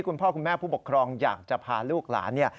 คุณพ่อคุณแม่ผู้ปกครองอยากจะพาลูกหลานเนี่ย